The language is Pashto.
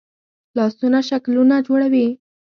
لاسونه شکلونه جوړوي